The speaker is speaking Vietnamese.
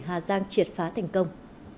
hà giang triệt phá thành công